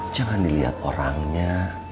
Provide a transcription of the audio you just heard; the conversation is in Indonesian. jangan dilihat orangnya